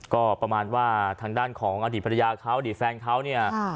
ก็ประมาณว่าทางด้านของอดีตภรรยาเขาอดีตแฟนเขาเนี่ย